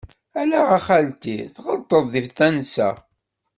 Ala a xalti, tɣelṭeḍ di tansa.